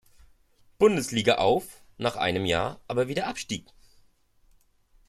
Bundesliga auf-, nach einem Jahr aber wieder abstieg.